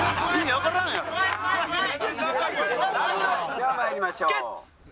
では参りましょう。